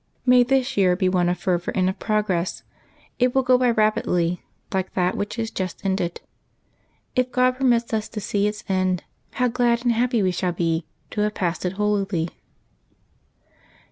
May this year be one of fervor and of prog ress! It will go by rapidly, like that which has just ended. If God permits ns to see its end, how glad and happy we shall be to have passed it holily